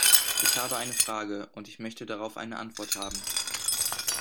Ich habe eine Frage, und ich möchte darauf eine Antwort haben.